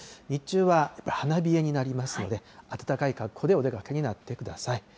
日中は花冷えになりますので、暖かい格好でお出かけになってください。